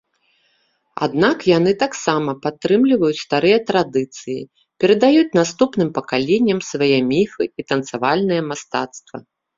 Аднак яны таксама падтрымліваюць старыя традыцыі, перадаюць наступным пакаленням свае міфы і танцавальнае мастацтва.